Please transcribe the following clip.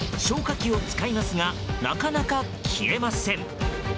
消火器を使いますがなかなか消えません。